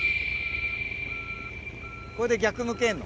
これで逆向けんの？